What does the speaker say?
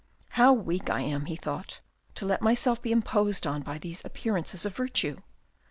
" How weak I am," he thought, " to let myself be imposed on by these appearances of virtue.